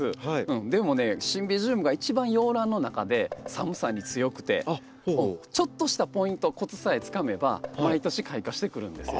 でもねシンビジウムが一番洋ランの中で寒さに強くてちょっとしたポイントコツさえつかめば毎年開花してくるんですよ。